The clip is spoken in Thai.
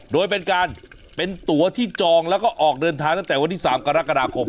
โดยเป็นการเป็นตัวที่จองแล้วก็ออกเดินทางตั้งแต่วันที่๓กรกฎาคม